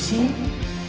kamu dipanggil nama aku